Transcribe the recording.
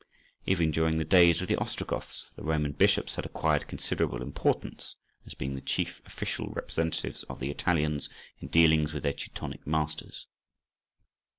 Even during the days of the Ostrogoths the Roman bishops had acquired considerable importance, as being the chief official representatives of the Italians in dealings with their Teutonic masters.